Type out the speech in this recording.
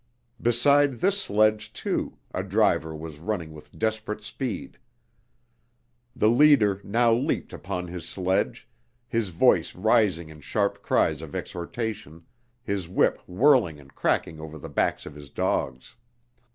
Beside this sledge, too, a driver was running with desperate speed. The leader now leaped upon his sledge, his voice rising in sharp cries of exhortation, his whip whirling and cracking over the backs of his dogs.